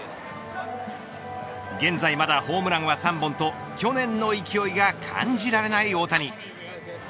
現在まだホームランは３本と去年の勢いが感じられない大谷。